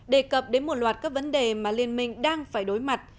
đề cập đến một loạt các vấn đề mà liên minh đang phải đối mặt